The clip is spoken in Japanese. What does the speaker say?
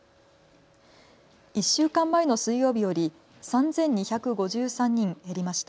１週間前の水曜日より３２５３人減りました。